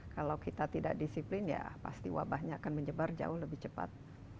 kalau kita tidak disiplin ya pasti wabahnya akan menyebar jauh lebih cepat